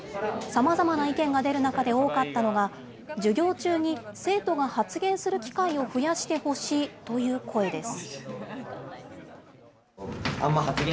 さまざまな意見が出る中で多かったのが、授業中に生徒が発言する機会を増やしてほしいという声です。